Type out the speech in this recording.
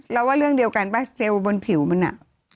เล่าว่าเรื่องเดียวกันปะ